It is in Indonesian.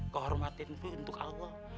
kehormatin itu untuk allah